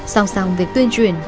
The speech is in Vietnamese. song song việc tuyên truyền